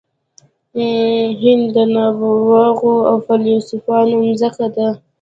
هند د نوابغو او فیلسوفانو مځکه ده.